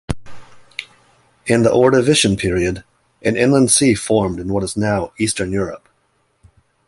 In the Ordovician period, an inland sea formed in what is now Eastern Europe.